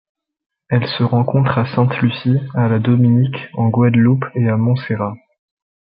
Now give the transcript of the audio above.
Elle se rencontre à Sainte-Lucie, à la Dominique, en Guadeloupe et à Montserrat.